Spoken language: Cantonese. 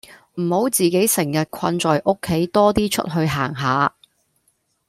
唔好自己成日困在屋企多啲出去行下